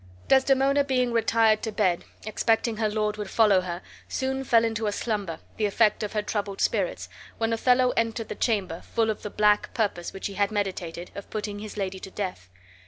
Desdemona being retired to bed, expecting her lord would follow her, soon fell into a slumber, the effect of her troubled spirits, when Othello entered the chamber, full of the black purpose which he had meditated, of putting his lady to death.